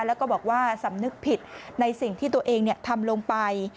แล้วก็บอกว่าสำนึกผิดในสิ่งที่ตัวเองทำลงไป